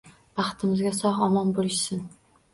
Baxtimizga sog`-omon bo`lishsin